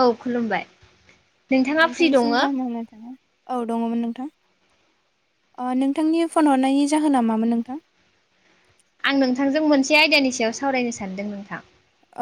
औ खुलुमबाय नोंथाङा फ्रि दङ नोंथांनिसिम गाहाम आं हामलायनाय थाबाय औ दंङ मोन नोंथां ओ नोंथांनि फन हरनायनि जाहोना मामोन नोंथां आं नोंथांजों मोनसे आयदानि सायाव सावरायनो सानदों नोंथां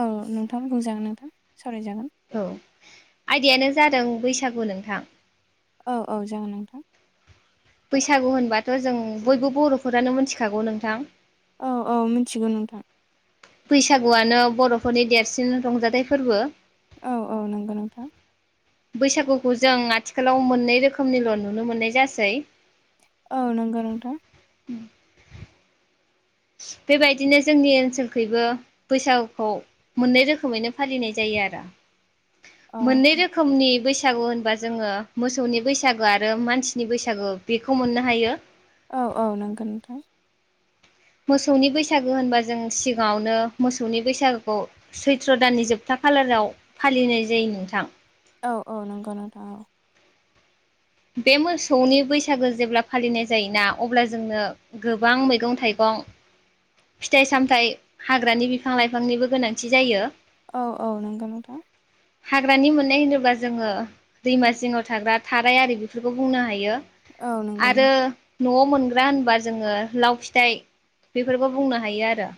औ नोंथां बुंजागोन नोंथां सरायजागोन औ आयदायानो जादों बैसागु नोंथां औ औ जागोन नोंथां बैसागु होनबाथ जों बयबो बरफोरानो मिथिखागौ नोंथां औ औ मिथिगौ नोंथां बैसागुआनो बरफोरनि देरसिन रंजाथाइ फोरबो औ औ नंगौ नोंथां बैसागुखौ जों आथिखालाव मोननै रोखोमनिल नुनो मोननाय जासै औ नंगौ नोंथां बेबायदिनो जोंनि ओनसोलखैबो बैसागुखौ मोननै रोखोमैनो फालिनाय जायो आरो अ मोननै रोखोमनि बे बैसागु होनबा जोङो मोसौनि बैसागो आरो मानसिनि बैसागु बेखौ मोननो हायो। औ औ नंगो नोंथां। मोसौनि बैसागो होनबा जों सिगाङावनो मोसौनि बैसागोखौ सैथ्र' दाननि जोबथा खालाराव फालिनाय जायो नोंथां। औ औ नंगौ नोंथां औ। बे मोसौनि बैसागो जेब्ला फालिनाय जायोना अब्ला जोंनो गोबां मैगं थाइगं फिथाइ सामथाइ हाग्रानि बिफां लाइफांनिबो गोनांथि जायो। औ औ नंगौ नोंथां। हाग्रानि मोननाय होनोबा जोङो दैमा जिङाव थाग्रा थाराय आरि बिफोरखौ बुंनो हायो। औ नंगौ आरो नोंथां नआव मोन ग्रा होनबा जोङो लाव फिथाइ बे बिफोरबो बुंनो हायो आरो।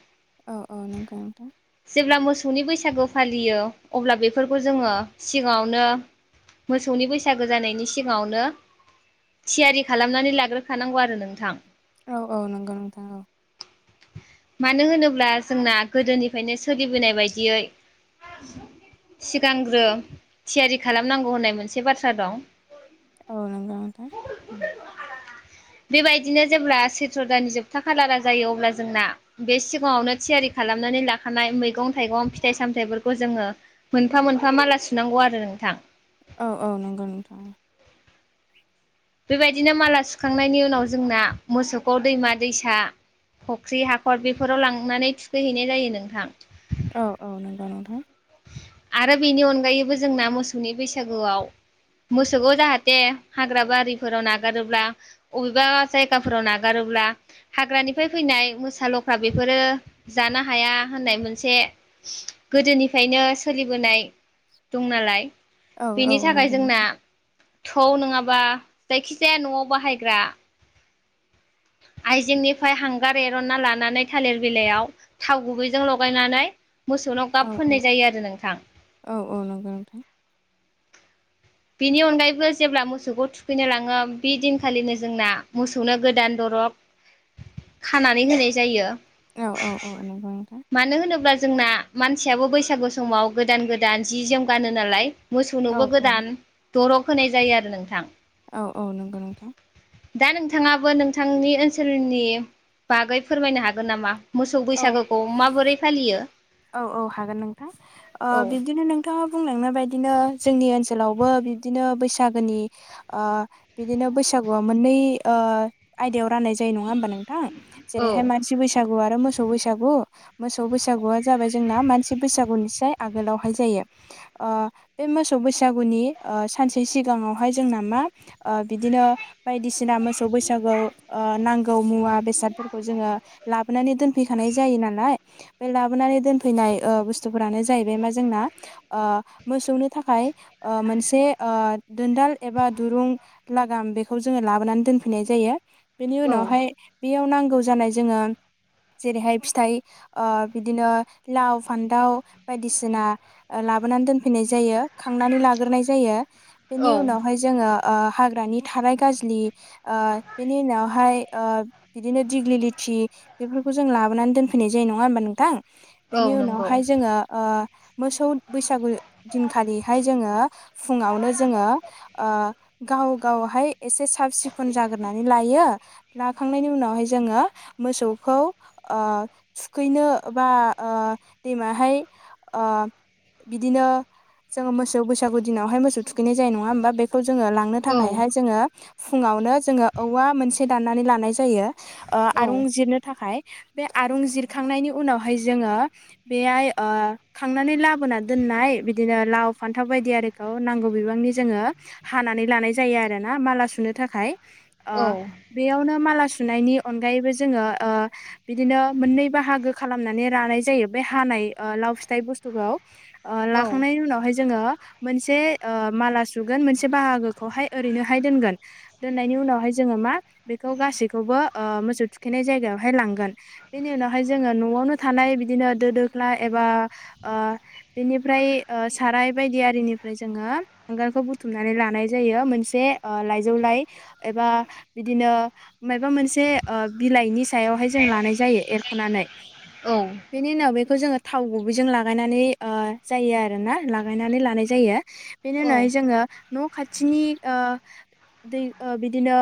औ औ नंगौ नोंथां। जेब्ला मोसौनि बैसागु फालियो अब्ला बेफोरखौ जोङो सिगाङावनो मोसौनि बैसागो जानायनि सिगाङावनो थियारि खालामनानै लाग्रोखानांगौ आरो नोंथां। औ औ नंगौ नोंथां औ। मानो होनोब्ला जोंना गोदोनिफ फायनो सोलिबोनाय बायदियै सिगांग्रो थियारि खालामनांगौ होननाय मोनसे बाथ्रा दं। औ नंगौ नोंथां। बेबायदिनो जेब्ला सैथ्र दाननि जोबथा खालारा जायो अब्ला जोंना बे सिगाङावनो थियारि खालामनानै लाख खानाय मैगं थाइगं फिथाइ सामथाइफोरखौ जोङो मोनफा मोनफा माला सुनांगौ आरो नोंथां। औ औ नंगौ नोंथां। बेबायदिनो माला सुखांनायनि उनाव जोंना मोसौखौ दैमा दैसा फख्रि हाखर बेफोराव लांनानै थुखैहैनाय जायो नोंथां। औ औ नों। औ नोंथां। आरो बेनि अनगायैबो जोंना मोसौनि बैसागुआव मोसौखौ जाहाथे हाग्रा बारिफोराव नागारोब्ला अबेबा जायगाफोराव नागारोब्ला हाग्रानिफ्राय फैनाय मोसा लख्रा बेफोरो जानो हाया होननाय मोनसे गोदोनि खायनो सोलिबोनाय दं नालाय। औ बिनि औ नंगौ नोंथां औ नंगौ थाखाय जोंना नोंथां थौ नङाबा जायखिजाया नआव बाहायग्रा आइजेंनिफ्राय हांगार एरनना लानानै थालिर बिलाइयाव थाव गुबैजों लगायनानै मोसौनाव औ गाब फोननाय जायो आरो नोंथां। औ औ औ नंगौ नोंथां बेनि अनगायैबो जेब्ला मोसौखौ थुखैनो लाङो बे दिनखालिनो जोंना मोसौनो गोदान दरग खानानै होनाय जायो। औ औ औ नंगौ नोंथां। मानो होनोब्ला जोंना मानसियाबो बैसागु समाव गोदान गोदान जि जोम गानो नालाय। औ मोसौनोबो औ गोदान दरक होनाय जायो आरो नोंथां। औ औ नंगौ नोंथां। दा नोंथाङाबो नोंथांनि ओनसोलनि बागै फोरमायनो हागोन नामा? मोसौ औ बैसागोखौ माबोरै फालियो? औ औ हागोन नोंथां ओ औ बिबदिनो नोंथां। मा बुंलांनाय बायदिनो जोंनि ओनसोलावबो बिब्दिनो बैसागोनि ओ बिदिनो बैसागुआ मोननै ओ आयदायाव राननाय जायो नङा होमबा नों? थां जेरैहाय औ मानसि बैसाग। गु आरो मोसौ बैसागु मोसौ बैसागुआ जा जाबाय जोंना मानसि बैसागुनि से आगोलावहाय जायो ओ बे मोसौ बैसागुनि ओ सानसे सिगाङावहाय जोंना मा ओ बिदिनो बायदिसिना मोसौ बैसागुआव ओयो नांगौ मुवा बेसादफोरखौ जोङो लाबोनानै दोनफैखानाय जायो नालाय बे लाबोनानै। दोनफैनाय ओ बुस्थुफोरानो जाहैबाय मा जोंना ओ मोसौनो थाखाय ओ मोनसे ओयो दोनदाल एबा दुरुं लागाम बेखौ जोङो लाबोनानै दोनफैनाय जायो। बेनि औ उनावहाय बेयाव नां गौ जानाय जोङो जेरैहाय फिथाइ बिदिनो लाव फान्थाव बायदिसिना लाबोनानै दोनफैनाय जायो खांनानै लाग्रोनाय जायो। बेनि औ उनावहाय जोङो हाग्रानि थाराइ गाजलि बेनि उनावहाय बिदिनो दिग्लि लिथि बेफोरखौ जों लाबोनानै दोनफैनाय जायो नङा होमबा नोंथां? बेनि औ नंगौ उनावहाय जोङो मोसौ बैसागु दिनखालिहाय जोङो फुङावनो जोङो गाव गावहाय एसे साब सिखोन जाग्रोनानै लायो लाखांनायनि उनावहाय जोङो मोसौखौ थुखैनो बा दैमाहाय बिदिनो जोङो मोसौ बैसागु दिनावहाय मोसौ थुखैनाय जायो नङा होमबा बे खौ जोङो लांनो औ थाखायहाय जोङो फुङावनो जोङो औवा मोनसे दाननानै लानाय जायो। आरुं औ जिरनो थाखाय बे आरुं जिरखांनायनि उनावहाय जोङो बेहाय खांनानै लाबोना दोननाय बिदिनो लाव फान्थाव बायदि आरिखौ नांगौ बिबांनि जोङो हानानै लानाय जायो आरोना माला सुनो थाखाय। अ औ बेयावनो माला सुनायनि अनगायैबो जोङो बिदिनो मोननै बाहागो खालामना। लानाय जायो बे हानाय लाव फिथाइ बुस्थुखौ औ लाखांनायनि उनावहाय जोंङो मोनसे माला सुगोन मोनसे बाहागोखौ हाय ओरैनो हाय दोनगोन दोननायनि उनावहाय जोङो मा बेखौ गासैखौबो मोसौ थुखैनाय जायगायाव हाय लांगोन बेनि उनाव हायो जोङो न'आवनो। थानाय बिदिनो दो दोख्ला एबा बिनिफ्राय साराय बायदि आरिनिफ्राय जोङो हांगारखौ बुथुमनानै लानाय जायो मोनसे लाइजौ लाइ एबा बिदिनो माबा मोनसे बिलाइनि सायावहाय जों लानाय जायो एरख'नानै। औ बेनि उनाव बे खौ जोङो थाव गुबैजों लागायनानै जायो आरो ना लागायनानै लानाय जायो। बेनि उनाव हाय औ जोङो। न' खाथिनि दै बिदिनो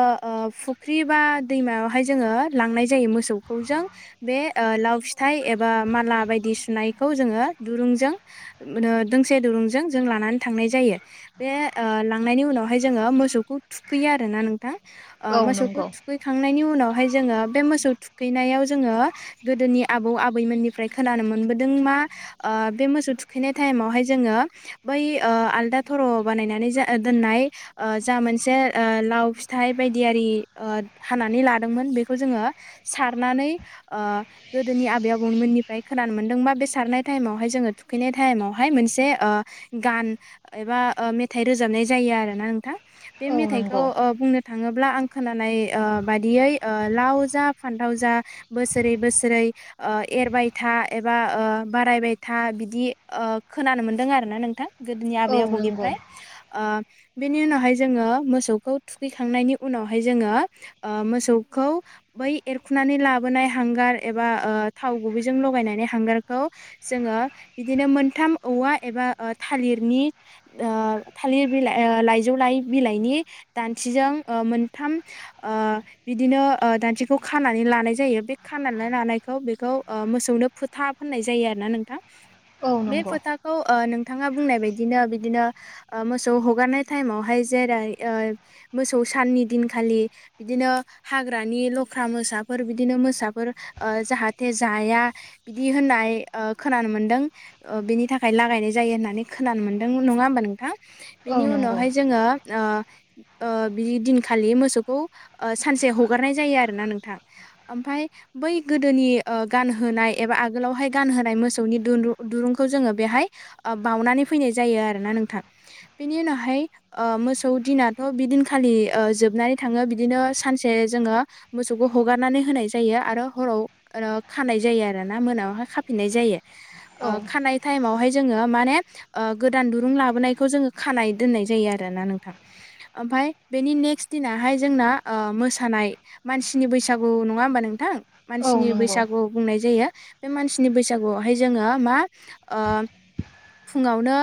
फुख्रि बा दैमायावहाय जोङो लांनाय जायो मोसौखौ जों बे लाव फिथाइ एबा माला बायदि सुनायखौ जोङो दुरुंजों दोंसे दुरुंजों जों लानानै थांनाय जायो बे लांनायनि उनावहाय जोङो मोसौखौ थुखैयो आरोना नोंथां। औ मोसौखौ नंगौ थुखैखांनायनि उनाव बेहाय जोङो बे मोसौ थुखैनायाव जोङो गोदोनि आबौ आबैमोननिफ्राय खोनानो मोनबोदों मा बे मोसौ थुखैनाय टाइमावहाय जोङो बै आलदा थर' बानायनानै जा दोननाय जा मोनसे लाव फिथाइ बायदिआरि हानानै लादोंमोन बेखौ जोङो सारनानै गोदोनि आबै आबौमोननिफ्राय खोनानो मोनदोंबा बे सारनाय टाइमावहाय जोङो थुखैनाय टाइमावहाय मोनसे गान एबा मेथाइ रोजाबनाय जायो आरो ना नोंथां बे औ मेथाइखौ नंगौ बुंनो थाङोब्ला आं खोनानाय बादियै लाव जा फान्थाव जा बोसोरै बोसोर जेरै एरबाय था एबा बारायबाय था बिदि खोनानो मोन्दों आरो ना नोंथां गोदोनि औ आबै नंगौ आबौनिफ्राय बेनि उनावहाय जोङो मोसौखौ थुखैखांनायनि उनावहाय जोङो मोसौखौ बै एरखुनानै लाबोनाय हांगार एबा थाव गुबैजों लायनानै हांगारखौ जोङो बिदिनो मोनथाम औवा एबा थालिरनि थालिर बिलाइ लाइजौ लाइ बिलाइनि दान्थिजों मोनथाम बिदिनो दान्थिखौ खानानै लानाय जायो बे खा ना लानायखौ बेखौ मोसौनो फोथाब फोनाय जायो आरो ना नोंथां औ बे नंगौ फोथाखौ ओ नों थाङा बुंनाय बायदिनो बिदिनो मोसौ हगारनाय टाइमावहाय जेरै मोसौ साननि दिनखालि बिदिनो हाग्रानि लख्रा मोसाफोर बिदिनो मोसाफोर ओ जाहाथे जाया बिदि होननाय खोनानो मोनदों बेनि थाखाय लागायनाय जायो होननानै खोनानो मोनदों नङा होमबा नोंथां बेनि औ नंगौ उनावहाय जोङो बिदि दिनखालि मोसौखौ सानसे हगारनाय जायो आरोना नोंथां ओमफाय बै गोदोनि गानहोनाय एबा आगोलावहाय गानहोनाय मोसौनि दुं दुरुंखौ जोङो बेहाय बाउनानै फैनाय जायो आरोना नोंथां बेनि उनावहाय मोसौ दिनाथ' बिदिनखालि जोबनानै थाङो बिदिनो सानसे जोङो मोसौखौ हगारनानै होनाय जायो आरो हराव खानाय जायो आरोना मोनायावहाय खाफिननाय जायो औ खानाय टाइमावहाय जोङो माने गोदान दुरुं लाबोनायखौ जोङो खानाय दोननाय जायो आरोना नोंथां ओमफ्राय बेनि नेक्स्ट दिनहाय जोंना मोसानाय मानसिनि बैसागु नङा होमबा नोंथां औ मानसिनि नंगौ बैसागु बुंनाय जायो बे मानसिनि बैसागुआवहाय जोङो मा फुङावनो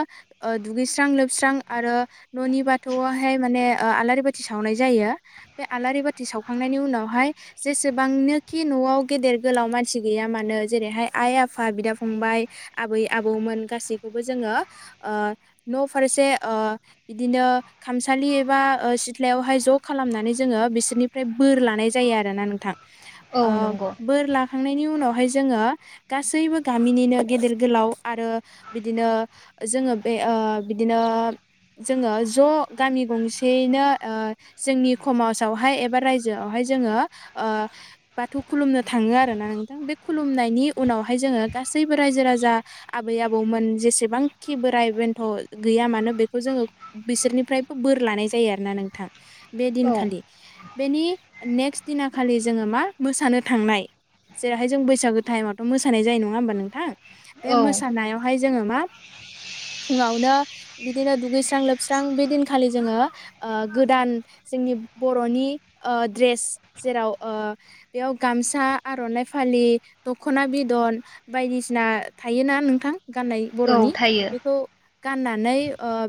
दुगैस्रां लोबस्रां आरो न'नि बाथौआवहाय माने आलारि बाथि सावनाय जायो बे आलारि बाथि सावखांनायनि उनावहाय जेसेबांनो खि न'आव गेदेर गोलाव मानसि गैया मानो जेरैहाय आइ आफा बिदा फंबाय आबै आबौमोन गासैखौबो जोङो न' फारसे बिदिनो खामसालि एबा सिथ्लायावहाय ज' खालामनानै जोङो बिसोरनिफ्राय बोर लानाय जायो आरोना नोंथां औ ओ नंगौ बोर लाख थांनायनि उनावहाय जोङो गासैबो गामिनिनो गेदेर गोलाव आरो बिदिनो जोङो बे बिदिनो जोङो ज' गामि गंसेयैनो जोंनि समाजावहाय एबा रायजोआवहाय जोङो बाथौ खुलुमनो थाङो आरोना नोंथां बे खुलुमनायनि उनावहाय जोङो गासैबो रायजो राजा आबै आबौमोन जेसेबांखि बोराय बेन्थ' गैया मानो बेखौ जोङो बिसोरनिफ्रायबो बोर लानाय जायो आरोना नोंथां बेदिन औ खालि बेनि नेक्स्ट दिना खालि जोङो मा मोसानो थांनाय जेरैहाय जों बैसागो टाइमावथ' मोसानाय जानाय नङा होमबा नोंथां बे औ मोसानायावहाय जोङो मा फुङावनो बिदिनो दुगैस्रां लोबस्रां बे दिनखालि जोङो गोदान जोंनि बर'नि द्रेस जेराव ओ बेयाव गामसा आर'नाइ फालि दख'ना बिदन बायदिसिना थायोना नोंथां गाननाय औ बर'नि थायो बेखौ गाननानै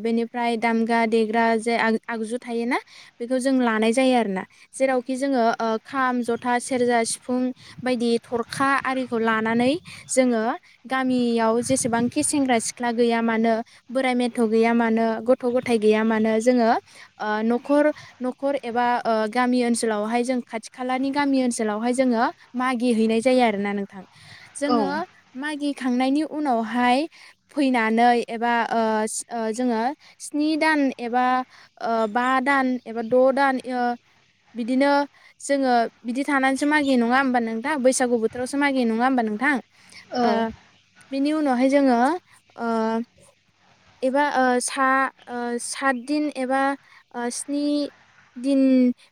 बेनिफ्राय दामग्रा देग्रा जे आगजु थायोना बेखौ जों लानाय जायो आरो ना जेरावखि जोङो खाम जथ था सेरजा सिफुं बायदि थरखा आरिखौ लानानै जोङो गामियाव जेसेबांखि सेंग्रा सिख्ला गैया मानो बोराइ मेथ' गैया मानो गथ' गथाय गैया मानो जोङो न'खर न'खर एबा गामि ओनसोलावहाय जों खाथि खालानि गामि ओनसोलावहाय जोङो मागि हैैनाय जायो आरोना नोंथां जोङो औ मागिखांनायनि उनावहाय फैनानै एबा जोङो स्नि दान एबा बा दान एबा द' दान बिदिनो जोङो बिदि थानानैसो मागियो नङा होनबा नोंथां बैसागु बोथोरावसो मागि नङा होमबा नोंथां ओ औ बिनि उनावहाय जोङो एबा सा सात दिन एबा स्नि दिन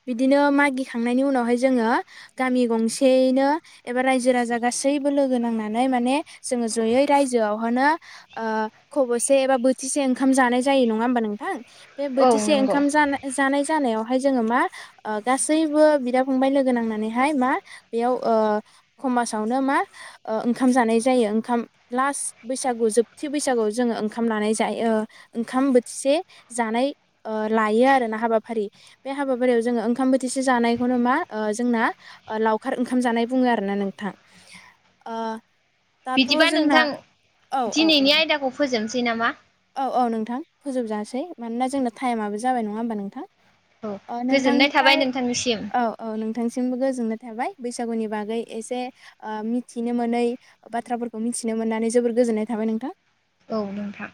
बिदिनो मागिखांनायनि उनावहाय जोङो गामि गंसेयैनो एबा रायजो राजा गासैबो लोगो नांनानै माने जोङो जयै रायजोआवनो खब'से एबा बोथिसे ओंखाम जानाय जायो नङा होमबा नोंथां बे औ बोथिसे नंगौ ओंखाम जानाय जानायाव हाय जोङो मा गासैबो बिदा फंबाय लोगो नांनानैहाय मा बेयाव खमासावनो मा ओंखाम जानाय जायो ओंखाम लास बैसागु जोबथि बैसागुआव जोङो ओंखाम लानाय जायो ओंखाम बोथिसे जानाय लायो आरोना हाबाफारि बे हाबाफारियाव जोङो ओंखाम बोथिसे जानायखौनो मा जोंना लावखार ओंखाम जानाय बुङो आरोना नोंथां ओ दाथ' बिदिबा जोंना नोंथां औ औ औ दिनैनि आयदाखौ फोजोबसै सै नामा औ औ नोंथां फोजोबजासै मानोना जोंना टाइमआबो जाबाय नङा होमबा नोंथां। औ अ गोजोननाय थाबाय नोंथांनिफ्राय नोंथांनिसिम औ औ नोंथांसिमबो गोजोनाय थाबाय बैसागुनि बागै एसे ओ मिथिनो मोनै बाथ्राफोरखौ मिथिनो मोननानै जोबोर गोजोननाय थाबाय नोंथां। औ नोंथां